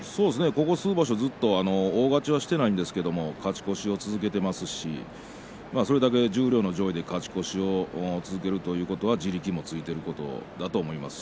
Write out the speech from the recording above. ここ数場所、大勝ちはしていないんですが勝ち越しを続けていますしそれだけ十両の上位で勝ち越しを続けるということは地力もついているということだと思います。